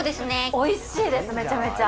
おいしいです、めちゃめちゃ。